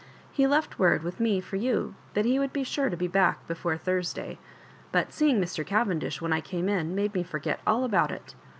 " He left word with rae for you that he would be sure to be back before Thursday, but seeing Mr. Cav^idish when I came in made me forget all about it.